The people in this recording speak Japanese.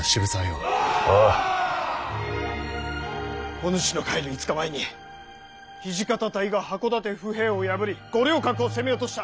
お主の帰る５日前に土方隊が箱館府兵を破り五稜郭を攻め落とした。